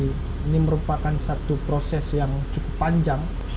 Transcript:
ini merupakan satu proses yang cukup panjang